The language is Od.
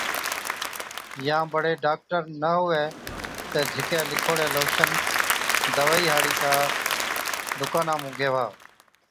يان بڙي ڊاڪٽرا نہ هُوَي تہ جھِڪي لِکوڙَي لوشن دوائِي هاڙي دُڪانا مُون گيهوا،